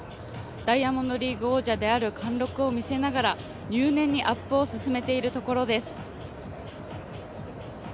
ダイヤモンドリーグ王者である貫禄を見せながら、入念にアップを進めているところです。